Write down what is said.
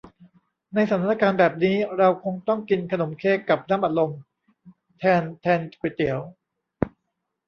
ในสถานการณ์แบบนี้ เราคงต้องกินขนมเค้กกับน้ำอัดลมแทนแทนก๋วยเตี๋ยว